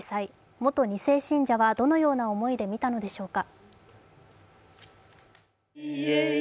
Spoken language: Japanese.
元２世信者はどのような思いで見たのでしょうか。